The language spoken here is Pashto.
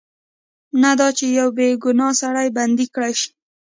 نه دا چې یو بې ګناه سړی بندي کړای شي.